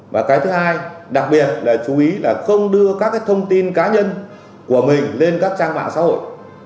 và cái thứ hai đặc biệt là chú ý là không đưa các cái thông tin cá nhân của mình lên các trang mạng xã hội